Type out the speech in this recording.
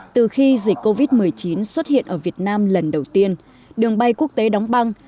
từ khi dịch covid một mươi chín xuất hiện ở việt nam lần đầu tiên đường bay quốc tế đóng băng